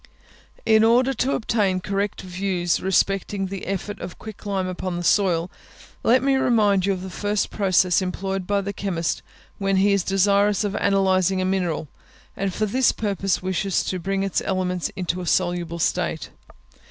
In order to obtain correct views respecting the effect of quick lime upon the soil, let me remind you of the first process employed by the chemist when he is desirous of analysing a mineral, and for this purpose wishes to bring its elements into a soluble state.